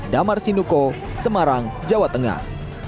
damar sinuko semarang jawa tengah